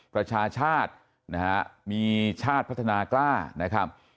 ประชาชาตินะฮะมีชาติพัฒนากล้านะครับ